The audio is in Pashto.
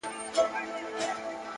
د حقیقت غږ ورو خو پیاوړی وي